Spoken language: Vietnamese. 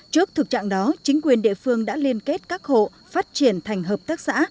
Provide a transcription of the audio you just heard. trước thực trạng đó chính quyền địa phương đã liên kết các hộ phát triển thành hợp tác xã